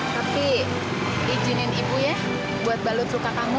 tapi izinin ibu ya buat balut suka kamu